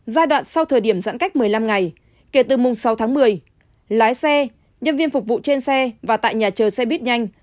giai đoạn sau thời điểm giãn cách một mươi năm ngày kể từ mùng sáu tháng một mươi lái xe nhân viên phục vụ trên xe và tại nhà chờ xe buýt nhanh